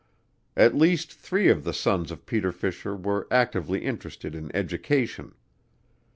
At least three of the sons of Peter Fisher were actively interested in education.